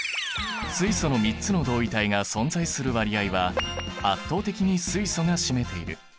水素の３つの同位体が存在する割合は圧倒的に水素が占めている。